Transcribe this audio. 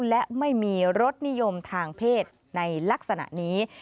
และไม่มีรสนิยมทางเพศในลักษณะนี้